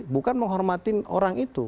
bukan menghormati orang itu